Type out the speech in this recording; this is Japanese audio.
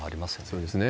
そうですね。